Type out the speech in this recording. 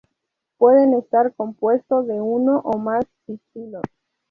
Puede estar compuesto de uno o más pistilos.